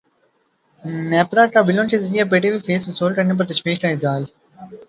نیپرا کا بلوں کے ذریعے پی ٹی وی فیس وصول کرنے پر تشویش کا اظہار